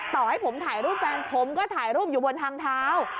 ต่อให้ผมถ่ายรูปแฟนผมก็ถ่ายรูปอยู่บนทางเท้า